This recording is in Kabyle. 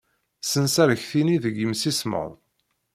Ssens arekti-nni deg yimsismeḍ.